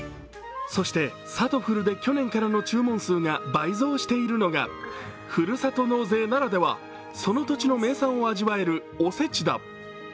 そして、さとふるで去年からの注文数が倍増しているのがふるさと納税ならでは、その土地の名産を味わえるお節だ。